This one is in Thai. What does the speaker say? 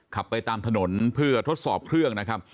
ขับไปตามถนนเพื่อทดสอบเครื่องนะครับ